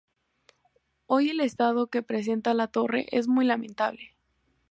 Hoy el estado que presenta la torre es muy lamentable.